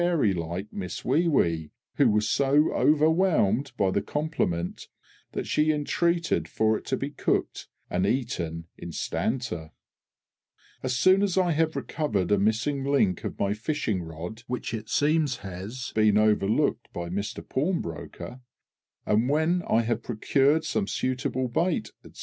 "] I presented my trophy and treasure trove to the fairylike Miss WEE WEE, who was so overwhelmed by the compliment that she entreated for it to be cooked and eaten instanter. As soon as I have recovered a missing link of my fishing rod (which it seems has been overlooked by Mister Pawnbroker), and when I have procured some suitable bait, &c.